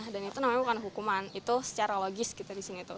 dan itu namanya bukan hukuman itu secara logis kita di sini itu